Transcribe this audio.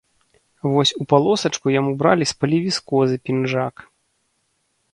Вось у палосачку яму бралі з палівіскозы пінжак.